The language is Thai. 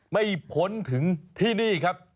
ไม่พ้นถึงที่นี่ครับ